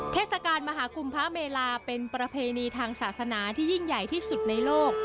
เทศกาลมหากุมพระเมลาเป็นประเพณีทางศาสนาที่ยิ่งใหญ่ที่สุดในโลก